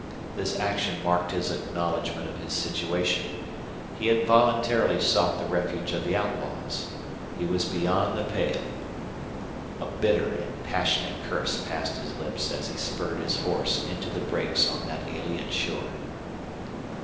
This action marked his acknowledgment of his situation: he had voluntarily sought the refuge of the outlaws; he was beyond the pale. A bitter and passionate curse passed his lips as he spurred his horse into the brakes on that alien shore.